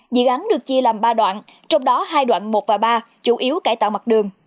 dự án được chia làm ba đoạn trong đó hai đoạn một và ba chủ yếu cải tạo mặt đường